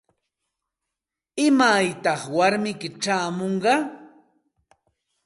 ¿Imaytaq warmiyki chayamunqa?